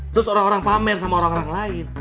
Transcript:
terus orang orang pamer sama orang orang lain